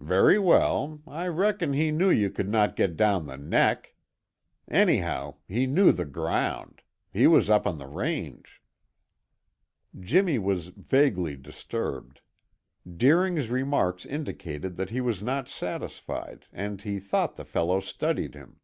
"Very well! I reckon he knew you could not get down the neck. Anyhow, he knew the ground; he was up on the range." Jimmy was vaguely disturbed. Deering's remarks indicated that he was not satisfied and he thought the fellow studied him.